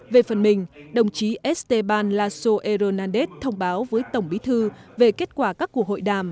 về phần mình đồng chí esteban lasso hernández thông báo với tổng bí thư về kết quả các cuộc hội đàm